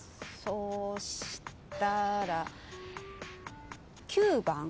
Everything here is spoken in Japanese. そしたら９番。